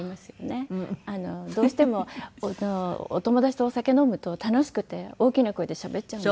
どうしてもお友達とお酒飲むと楽しくて大きな声でしゃべっちゃうので。